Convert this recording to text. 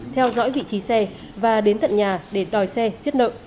theo dõi vị trí xe và đến tận nhà để đòi xe xiết nợ